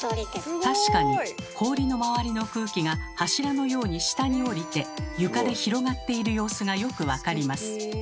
確かに氷の周りの空気が柱のように下におりて床で広がっている様子がよく分かります。